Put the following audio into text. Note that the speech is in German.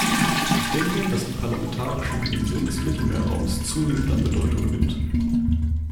Ich denke, dass die parlamentarische Dimension des Mittelmeerraums zunehmend an Bedeutung gewinnt.